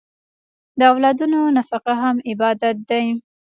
د اولادونو نفقه هم عبادت دی.